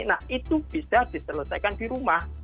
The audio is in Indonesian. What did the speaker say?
nah itu bisa diselesaikan di rumah